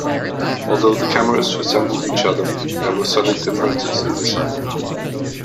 Although the cameras resembled each other, there were subtle differences in design.